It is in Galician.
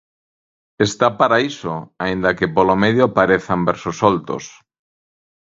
Está para iso, aínda que polo medio aparezan versos soltos.